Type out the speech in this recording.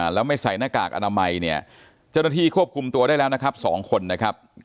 แล้วไม่ใส่หน้ากากอนามัยเนี่ยเจ้าหน้าที่ควบคุมตัวได้แล้วนะครับ๒คนนะครับ